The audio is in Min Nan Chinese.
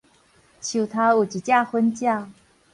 樹頭有一隻粉鳥